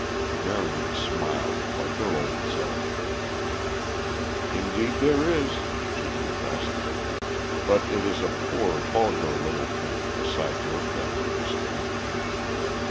Marion smiled like her old self. "Indeed there is," she confessed. "But it is a poor, vulgar little thing beside your family mystery.